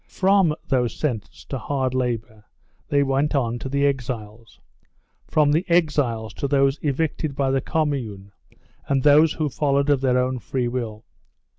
From those sentenced to hard labour they went on to the exiles. From the exiles to those evicted by the Commune and those who followed of their own free will.